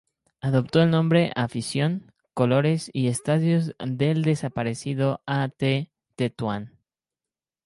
Adoptó el nombre, afición, colores y estadio del desaparecido At. Tetuán.